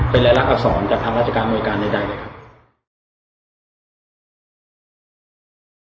เป็นรายละเอาสองจากท่านราชกาลโนโลการณ์ได้ด้ายด่าย